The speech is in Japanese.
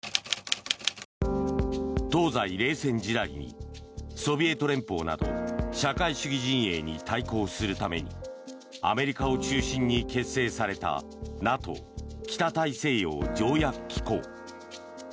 東西冷戦時代にソビエト連邦など社会主義陣営に対抗するためにアメリカを中心に結成されたＮＡＴＯ・北大西洋条約機構。